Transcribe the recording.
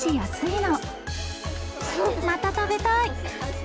また食べたい。